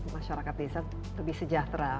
masyarakat desa lebih sejahtera